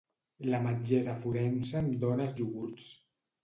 La metgessa forense em dóna els iogurts.